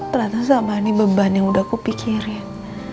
ternyata selama ini beban yang udah kupikirin